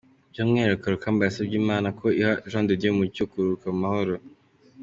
By’umwihariko, Rukamba yasabye Imana ko iha Jean de Dieu Mucyo kuruhuka mu mahoro.